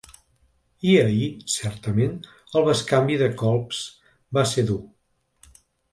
I ahir, certament, el bescanvi de colps va ser dur.